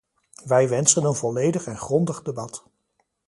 Wij wensen een volledig en grondig debat.